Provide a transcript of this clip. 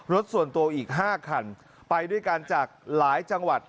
รถส่วนตัวอีก๕คันไปด้วยกันจากหลายจังหวัด